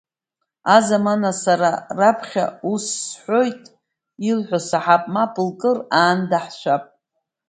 Азамана, сара раԥхьа ус сҳәоит, илҳәо саҳап, мап лкыр, аанда ҳшәап.